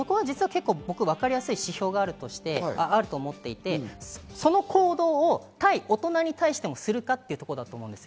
わかりやすい指標があると思っていて、その行動を対大人に対しても、するかっていうところだと思うんですよ。